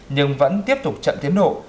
nhưng vẫn tiếp tục chậm tiến độ